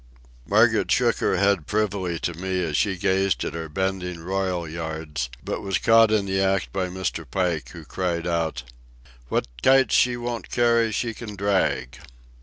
Margaret shook her head privily to me as she gazed at our bending royal yards, but was caught in the act by Mr. Pike, who cried out: "What kites she won't carry she can drag!"